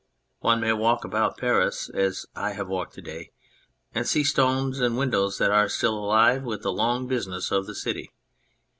One may walk about Paris as I have walked to day and see stones and windows that are still alive with the long business of the city.